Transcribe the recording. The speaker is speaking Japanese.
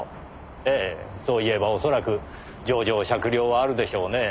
ええそう言えば恐らく情状酌量はあるでしょうねぇ。